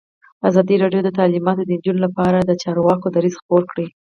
ازادي راډیو د تعلیمات د نجونو لپاره لپاره د چارواکو دریځ خپور کړی.